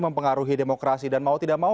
mempengaruhi demokrasi dan mau tidak mau